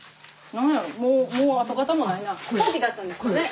何やろ？